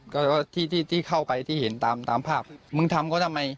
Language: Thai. ก็ที่ที่เข้าไปที่เห็นตามตามภาพมึงทำเขาทำไม